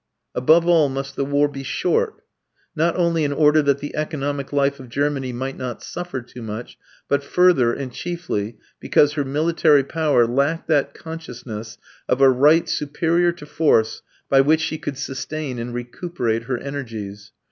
Above all must the war be short, not only in order that the economic life of Germany might not suffer too much, but further, and chiefly, because her military power lacked that consciousness of a right superior to force by which she could sustain and recuperate her energies.